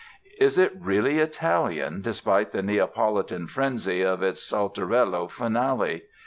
Is it really Italian, despite the Neapolitan frenzy of its "Saltarello" finale?